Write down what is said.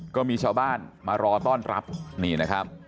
ก็มีชาวบ้านมารอต้อนรับนี่นะครับ